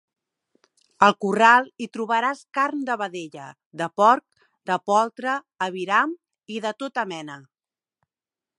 Al corral hi trobaràs carn de vedella, de porc, de poltre, aviram i de tota mena.